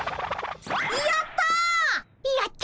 やった！